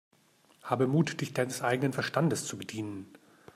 Habe Mut, dich deines eigenen Verstandes zu bedienen!